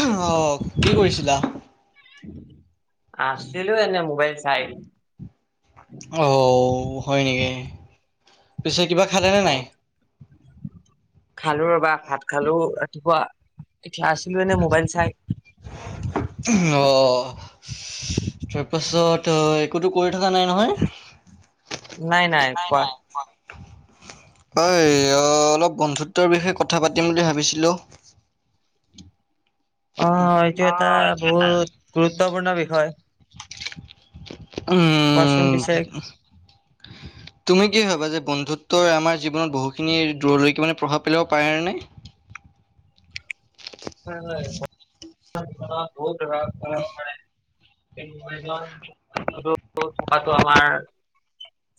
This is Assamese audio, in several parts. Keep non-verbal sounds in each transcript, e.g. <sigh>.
অহ, কি কৰিছিলা? আছিলো এনেই মোবাইল চাই। অ, হয় নেকি পিছে কিবা খালেনে অ নাই? খালো ৰবা ভাত খালো ৰাতিপুৱা। ক্লাছ লোঁ এনে মবাইল চাই। অ', তাৰপাছত অ, একোতো কৰি থকা নাই নহয়? নাই-নাই কোৱা? অ, ইয় অলপ বন্ধুত্বৰ বিষয়ে কথা পাতিম বুলি ভাবি বিছিলোঁ অ, এইটো এটা ভুল গুৰুত্বপূৰ্ণ বিষয়। কোৱাচোন উম, পিছে হয় তুমি কি ভাবা যে বন্ধুত তই আমাৰ জীৱনত বহুখিনি দূৰলৈকে মানে প্ৰভাৱ পেলাব পাৰে নে? পাৰে বন্ধুত্বই <unintelligible> জীৱনত বহুত প্ৰভাৱ পেলাব পাৰে। <unintelligible> থকাটো আমাৰ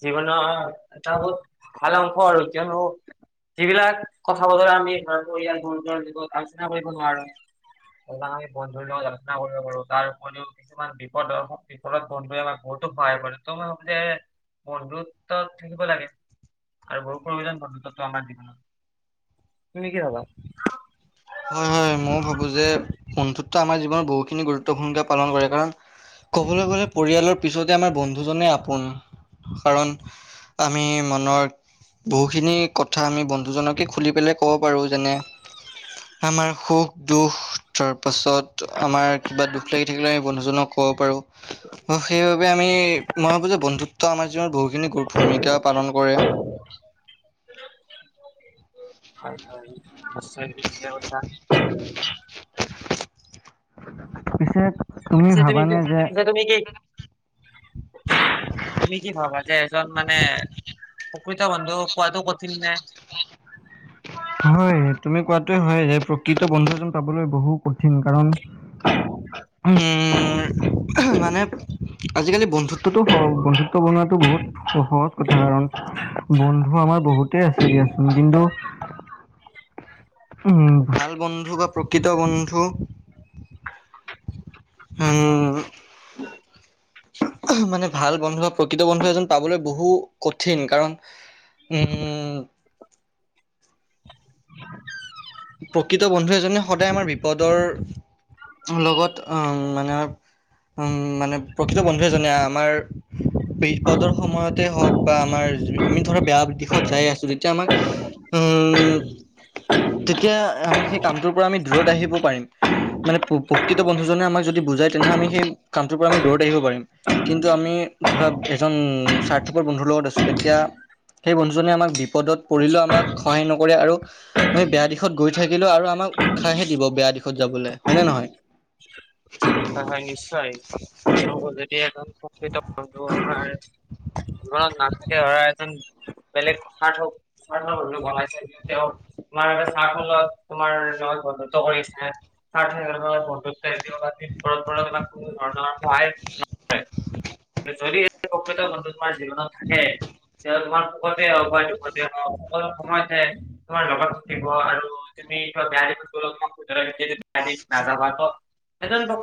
জীৱনৰ এটা বহুত ভাল অংশ আৰু এতিয়া <unintelligible> যিবিলাক কথা-বতৰা আমি <unintelligible> আলোচনা কৰিব নোৱাৰো সেইবিলাক আমি বন্ধুৰ লগত আলোচনা কৰিব পাৰো তাৰ উপৰিও কিছুমান বিপদৰ্শক বিপদত বন্ধুৱে আমাক বহুত তক সহায় কৰে ত' <unintelligible> যে বন্ধুত্ব থাকিব লাগে। আৰু <unintelligible> বন্ধুতটো আমাৰ জীৱনত তুমি কি ভাবা? হয় - হয় মই ভাবো যে বন্ধুত্বটো আমাৰ জীৱনত বহুতখিনি গুৰুত্বপূৰ্ণ ভূমিকা পালন কৰে কাৰণ ক'বলৈ গ'লে পৰিয়ালৰ পিছতে আমাৰ বন্ধুজনে আপোন কাৰণ আমি মনৰ বহুখিনি কথা আমি বন্ধুজনকে খুলি পেলে ক'ব পাৰো যেনে আমাৰ সুখ -দুখ তাৰ পাছত আমাৰ কিবা দুখ লাগি থাকিলে আমি বন্ধুজনক ক'ব পাৰোঁ অ, সেইবাবে আমি মই ভাবো যে বন্ধুত্ব আমাৰ জীৱনত বহুখিনি ভূমিকা পালন কৰে <inaudible> হয় হয় নিশ্চয় তুমি ঠিকেই কৈছা পিছে পিছে তুমি এইটো ভাবানে যে পিছে তুমি কি তুমি কি ভাবা যে এজন মানে প্ৰকৃত বন্ধু কোৱাটো কঠিন নে <inaudible> হয় তুমি কোৱাটো হয় যে প্ৰকৃত বন্ধুজন পাবলৈ বহু কঠিন কাৰণ উম মানে আজিকালি বন্ধুত <unintelligible> বন্ধুত্ব বনোৱা বহুত সহজ কথা কাৰণ বন্ধু আমাৰ বহুতেই আছে দিয়াচোন কিন্তু উম ভাল বন্ধু বা প্ৰকৃত বন্ধু উম। মানে ভাল বন্ধু বা প্ৰকৃত বন্ধু এজন পাবলৈ বহু কঠিন কাৰণ উম। প্ৰকৃত বন্ধু এজনে সদায় আমাৰ বিপদৰ লগত উম মানে মানে প্ৰকৃত বন্ধুৱ এজনে আমাৰ বিপদৰ সময়তে হওক বা আমাৰ আমি ধৰা বেয়া দিশত যাই আছো যেতিয়া আমাক উম। তেতিয়া আমি সেই কামটোৰ পৰা আমি দূৰত আহিব পাৰিম মানে প্ৰকৃত বন্ধুজনে আমাক যদি বুজাই তেনেহলে আমি সেই কামটোৰ পৰা আমি দৌৰত আহিব পাৰিম। কিন্তু আমি ধৰা এজন স্বাৰ্থপৰ বন্ধুৰ লগত আছো তেতিয়া সেই বন্ধুজনে আমাক বিপদত পৰিলেও আমাক সহায় নকৰে আৰু আমি বেয়া দিশত গৈ থাকিলেও আৰু আমাক উৎসাহে দিব বেয়া দিশত যাবলৈ হয় নে নহয়? হয় হয় নিশ্চয় যদি এ <inaudible> নাটে ধৰা এন বেলেগ কথ হওকাই সতেও <inaudible> তোমাৰ এ চত তোমাৰ লগত বন্ধুত্ব কৰিছে চ বন্ধুত্ব <inaudible> কোনো ধৰণৰ সহায় ন যদি <inaudible> তোমাৰ জীৱনত থাকে তোমাৰ সখতে হওক বা দুখতে হওক সকলো সময়তে তোমাৰ লগত থাকিব আৰু তুমি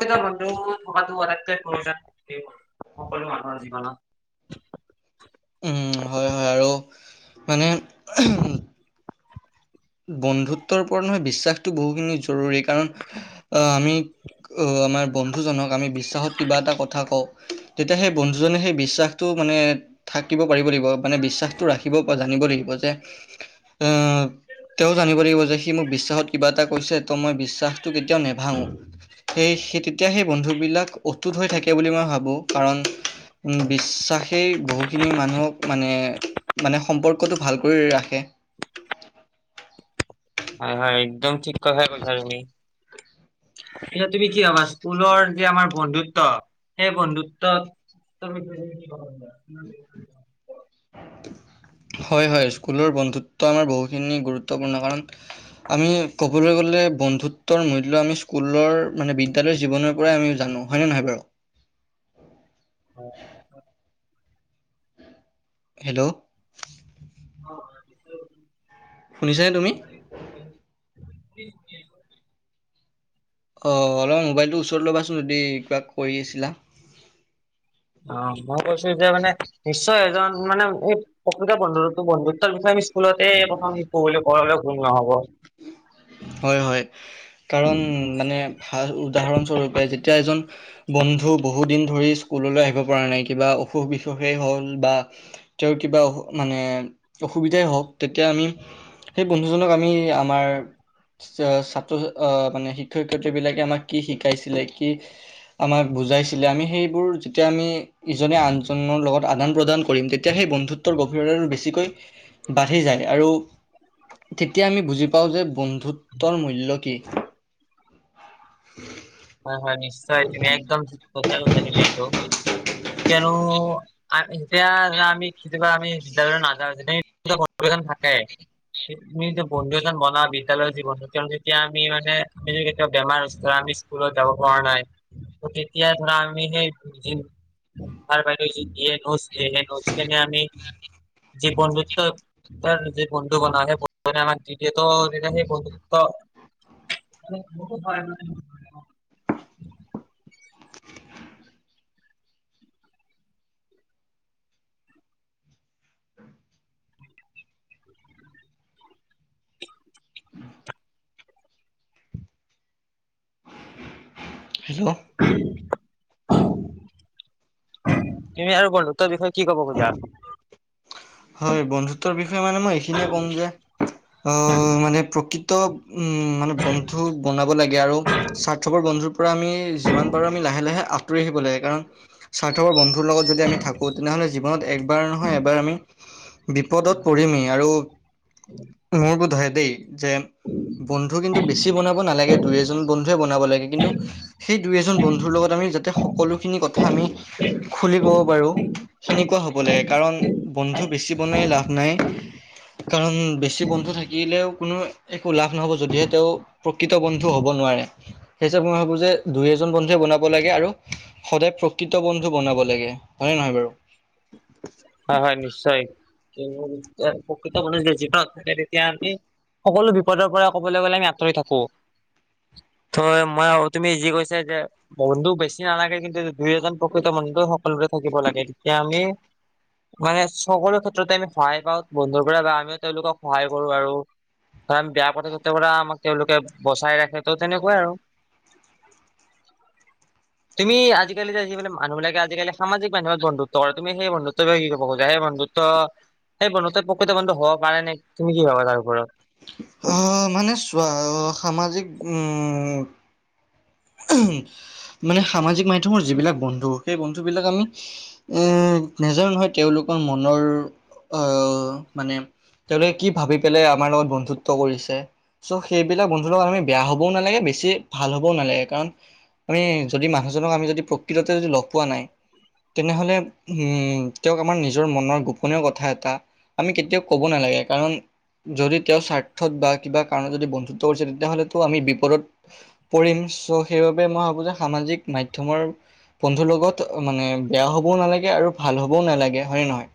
<inaudible> <inaudible> সকলো মানুহৰ জীবনত। উম হয় হয় আৰু মানে বন্ধুত্বৰ ওপৰত নহয় বিশ্বাসটো বহুখিনি জৰুৰী কাৰণ আহ আমি অ, আমাৰ বন্ধুজনক আমি বিশ্বাসত কিবা এটা কথা কওঁ তেতিয়া সেই বন্ধুজনে সেই বিশ্বাসটো মানে থাকিব পাৰিব লাগিব মানে বিশ্বাসটো ৰাখিব জানিব গৈ থাকিব যে <unintelligible> লাগিব যে সি মোক বিশ্বাসত কিবা এটা কৈছে ত মই বিশ্বাসটো কেতিয়াও বন্ধু বিলাক অতুত হৈ থাকে বুলি মই ভাবো কাৰণ উম, বিশ্বাস সেই বহুখিনি মানুহক মানে-মানে সম্পৰ্কটো ভাল কৰি ৰাখে। হয়-হয় একদম ঠিক কথাই কৈছা তুমি। <unintelligible> এতিয়া তুমি কি ভাবা স্কুলৰ যে আমাৰ বন্ধুত্ব সেই বন্ধুত্বত ত' আমি <unintelligible> <inaudible> হয়-হয় স্কুলৰ বন্ধুত্ব আমাৰ বহুখিনি গুৰুত্বপূৰ্ণ কাৰণ আমি ক'বলৈ গ'লে এ বন্ধুত্বৰ মূল্য আমি স্কুলৰ মানে বিদ্যালয়ৰ জীৱনৰ পৰাই আমি জানো হয় নে নহয় বাৰু? <inaudible> হেল্ল', অছ শুনিছানে তুমি <unintelligible> অ অলপ মোবাইলটোৰ ওচৰত ল'বাচোন যদি কিবা কৰি আছিলা অ মই কৈছো যে মানে নিশ্চয় এজন মানে এই প্ৰকৃত বন্ধুত বন্ধুত্বৰ বিষয়ে আমি স্কুলতে প্ৰথম শিকো পঢ ভুল নহ'ব হয় হয় কাৰণ মানে ভ উদাহৰণস্বৰূপে যেতিয়া এজন বন্ধু বহুত দিন ধৰি স্কুললৈ আহিব পৰা নাই কিবা অসুখ বিসুখেই হ'ল বা তেওঁৰ কিবা অ মানে অসুবিধাই হওক তেতিয়া আমি সেই বন্ধুজনক আমি আমাৰ ছাত্ৰ আহ মানে শিক্ষয়িত্ৰী বিলাকে আমাক কি শিকাইছিলে কি আমাক বুজাইছিলে আমি সেইবোৰ যেতিয়া আমি ইজনে আনজনৰ লগত আদান প্ৰদান কৰিম তেতিয়া সেই বন্ধুত্বৰ গভীৰতা বেছিকৈ বাঢ়ি যায় আৰু তেতিয়া আমি বুজি পাওঁ যে বন্ধুত্বৰ মূল্য কি হয় হয় নিশ্চয় তুমি একদম থিক কথা কৈছা এইটো কিয়নো আম এতিয়া আমি কেতিয়াবা আমি বিদ্যালয়লৈ নাযাওঁ যেতিয়া <unintelligible> থাকে মি বন্ধু এজন বনাওঁ বিদ্যালয়ৰ জীৱনত তেওঁ যেতিয়া আমি মানে আমি কেতিয়াবা বেমাৰ উস্থ আমি স্কুলত যাব পৰা নাই তেতিয়া ধৰা আমি সেই যি ছাৰ বাইদেউ যি দিয়ে নোচ এই নজ কেনে আমি যি বন্ধুত্বাৰ যি বন্ধু বন সেই বন্ধুৰে আমাক দ্বিতীয়টোয়া সেই বন্ধুত্ব হয় মান উ হেল্ল' তুমি আৰু বন্ধুত্বৰ বিষয়ে কি কব খোজা হয় বন্ধুত্বৰ বিষয়ে মানে মই এইখিনিয়ে ক'ম যে অ মানে প্ৰকৃত উম মানে বন্ধু বনাব লাগে আৰু স্বাৰ্থপৰ বন্ধুৰ পৰা আমি যিমান পাৰোঁ আমি লাহে লাহে আ আতৰি আহিব লাগে কাৰণ স্বাৰ্থপৰ বন্ধুৰ লগত যদি আমি থাকো তেনেহ'লে জীৱনত একবাৰ নহয় এবাৰ আমি বিপদত পৰিঢ়ম এ আৰু মোৰ বোধয় দেই যে বন্ধু কিন্তু বেছি বনাব নালাগে দুই এজন বন্ধুৱে বনাব লাগে কিন্তু সেই দুই এজন বন্ধুৰ লগত আমি যাতে সকলোখিনি কথা আমি খুলি ক'ব পাৰো সেনেকুৱা হ'ব লাগে কাৰণ বন্ধু বেচি বনোৱাই লাভ নাই কাৰণ বেছি বন্ধু থাকিলেও কোনো একো লাভ নহ'ব যদিহে তেওঁ প্ৰকৃত বন্ধু হ'ব মই ভাব যে দুই এজন বন্ধুৱে বনাব লাগে আৰু সদায় প্ৰকৃত বন্ধু বনাব বলাগে হয়নে নহয় বাৰু হয় হয় নিশ্চয় প্ৰকৃত মানষ গছ ন তেতিয়া আমি সকলো বিপদৰ পৰা কবলৈ গলে আমি আঁতৰি থাকো হয় ত মই আৰু তুমি ই যি কৈছ যে বন্ধু বেছি নালাগে কিন্তু দুই এজন প্ৰকৃত বন্ধুে সকলোৰে থাকিব লাগে তেতিয়া আমি <unintelligible> মানে সকলো ক্ষেত্ৰতে আমি সহায় পাওঁ বন্ধুৰ পৰা বা আমিও তেওঁলোকক সহায় কৰো আৰু কাৰ বেয়া কথা ততে ব আমাক তেওঁলোকে বচাই ৰাখে তো তেনেকুৱাই আৰু <unintelligible> তুমি আজিকালি যে যিবিলাক মানুহবাকে আজিকালি সামাজিক মধ্যমত বন্ধু্ব তুমি সেই বন্ধু্ব ত কি কব খজা সেই বন্ধুতো সেইন্ধুত প্ৰকৃত বন্ধু হব পাৰে নে তুমি কি ভাবা তাৰ ওপৰত ম মানে সামাজিক মাধ্যমৰ যিবিলাক বন্ধু সেই বন্ধু বিলাক আমি এ নজৰ নহয় তেওঁলোকৰ মনৰ আহ মানে তেওঁলোকে কি ভাবি পেলাই আমাৰ লগত বন্ধুত্ব কৰিছে চ' সেইবিলাক বন্ধুৰ লগত আমি বেয়া হ'বও নালাগে বে ছি ভাল হ'বও নালাগে কাৰণ আমি যদি মানুহজনক আমি যদি প্ৰকৃততে যদি লগ পোৱা নাই। তেনেহ'লে উম, তেওঁক আমাৰ নিজৰ মনৰ গোপনীয় কথা এটা আমি কেতিয়াও ক'ব নালাগে কাৰণ যদি তেওঁৰ স্বাৰ্থত বা কিবা কাৰণত যদি বন্ধুত্ব কৰিছে তেতিয়াহ'লেটো আমি বিপদত পৰিম চ' সেইবাবে মই ভাবো যে সামাজিক মাধ্যমৰ বন্ধুৰ লগত মানে বেয়া হ'বও নালাগে আৰু ভাল ভাল হ'বও নালাগে, হয়নে নহয়?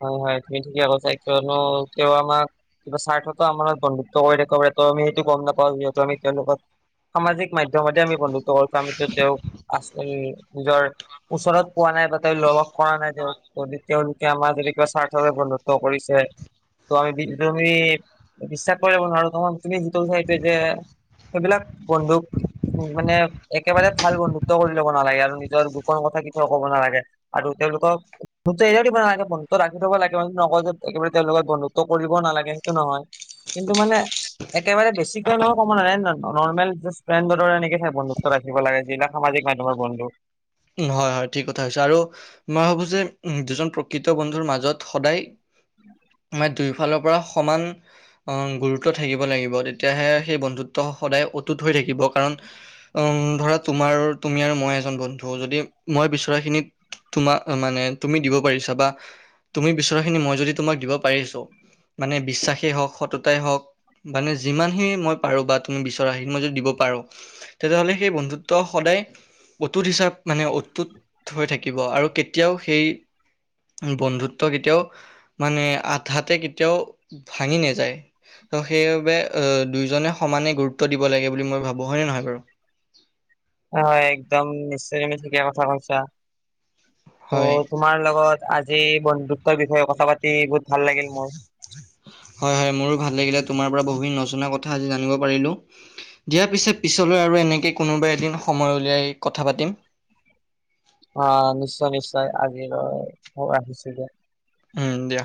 হয়, হয় তুমি ঠিকে কৈছা কিয়নো তেওঁ আমাক কিবা স্বাৰ্থতো আমাৰ বন্ধুত্ব কৰি থাকিব পাৰে। তো আমি সেইটো গম নাপাও যিহেতু আমি তেওঁলোকত সামাজিক মাধ্যমতে আমি বন্ধু ত <unintelligible> আমিটো তেওঁক আচ উম, নিজৰ ওচৰত পোৱা নাই বা তেওঁ লগ লগ কৰা নাই তেওঁক য তেওঁলোকে আমাৰ যদি কিবা স্বাৰ্থৰ বাবে বন্ধুত্ব কৰিছে। ত' আমি বি তুমি বিশ্বাস কৰিব নোৱাৰো তোমাৰ তুমি যিটো কৈছে এইটো যে সেইবিলাক বন্ধুক মানে এক একেবাৰে ভাল বন্ধুত্ব কৰি ল'ব নালাগে আৰু নিজৰ গোপন কথা কেতিয়াও ক'ব নালাগে আৰু তেওঁলোকক <unintelligible> দিব নালাগে বন্ধুত্ব ৰাখি থ'ব লাগে মানে নকয় যে একেবাৰে তেওঁলোক বন্ধুত্ব কৰিব নালাগে সেইটো নহয়। কিন্তু মানে একেবাৰে বেছিকৈ কে ন' ক'ব নোৱাৰি নৰ্মেল যাষ্ট ফ্ৰেণ্ডৰ দৰে বন্ধুত্ব ৰাখিব লাগে এইবিলাক সামাজিক জিক মাধ্যমৰ বন্ধু। হয়, হয়, ঠিক কথা হৈছে আৰু মই ভাবো যে উম, দুজন প্ৰকৃত বন্ধুৰ মাজত সদায় মাই দুয়োফালৰ পৰা সমান অ', গুৰুত্ব থাকিব লাগিব তেতিয়াহে সেই বন্ধুত্ব সদায় অটুত হৈথাকিব কাৰণ উম, ধৰা তোমাৰ তুমি আৰু মই এজন বন্ধু। ত' যদি মই বিচৰাখিনিত তোমাক মানে তুমি দিব পাৰিছা বা তুমি বিচৰাখিনি মই যদি তোমাক দিব পাৰিছোঁ। মানে বিশ্বাসেই হওঁক, সততাই হওঁক। মানে যিমানখিনি মই পাৰোঁ বা তুমি বিচৰা সেইি মই যদি দিব পাৰোঁ তেতিয়াহ'লে সেই বন্ধুত্ব সদায় অটুত হিচাপ মানে, অটুত হৈ থাকিব আৰু কেতিয়াও সেই বন্ধুত্ব কেতিয়াও মানে আধাতে কেতিয়াও ভাঙি নাযায়। ত' সেইবাবে আ, দুয়োজনে সমানে গুৰুত্ব দিব লাগে বুলি মই ভাবোঁ হয়নে নহয় বাৰু? হয় একদম নিশ্চয় তুমি ঠিকে কথা কৈছা, হয়, ত' তোমাৰ লগত আজি বন্ধুত্বৰ বিষয়ে কথা পাতি বহুত ভাল লাগিল মোৰ হয়, হয়, মোৰো ভাল লাগিলে তোমাৰ পৰা বহুখিনি নজনা কথা আজি জানিব পাৰিলোঁ, দিয়াৰ পিছে, পিছলৈ আৰু এনেকে কোনোবা এদিন সময় উলিয়াই কথা পাতিম। অ', নিশ্চয়, নিশ্চয় আজিলৈ ৰাখিছোঁ দিয়া। উম, দিয়া।